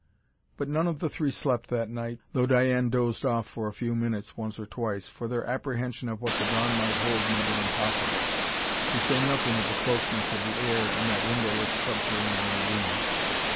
But none of the three slept that night, though Diane dozed off for a few minutes once or twice, for their apprehension of what the dawn might hold made it impossible, to say nothing of the closeness of the air in that windowless subterranean room.